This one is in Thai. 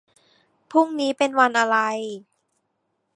พรุ่งนี้เป็นวันอะไร